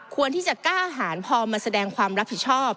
ที่จะกล้าหารพอมาแสดงความรับผิดชอบ